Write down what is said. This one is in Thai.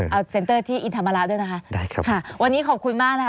เอาเซ็นเตอร์ที่อินธรรมระด้วยนะคะได้ครับค่ะวันนี้ขอบคุณมากนะคะ